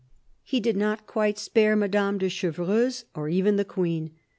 He did not quite spare Madame de Chevreuse or even the Queen.